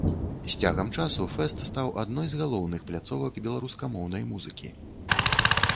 З цягам часу фэст стаў адной з галоўных пляцовак беларускамоўнай музыкі.